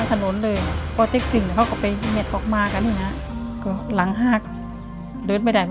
ทำงานนักความไปได้